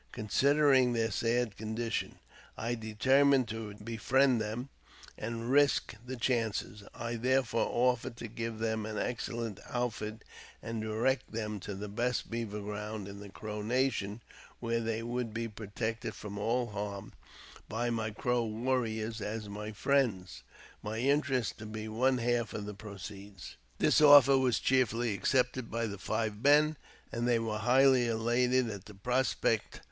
Considering their sad condition, I determined to befriend them, and risk the chances. I therefore offered to give them an excellent outfit, and direct them to the best beaver ground in the Crow nation, where they would be protected from all harm by my Crow warriors as my friends, my interest to be one half of the proceeds. This offer was cheerfully accepted by the five men, and they were highly elated at the prospect.